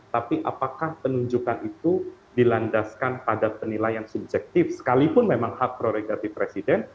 tapi apakah penunjukan itu dilandaskan pada penilaian subjektif sekalipun memang hak prerogatif presiden